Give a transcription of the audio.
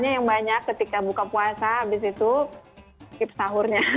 yang banyak ketika buka puasa habis itu hip sahurnya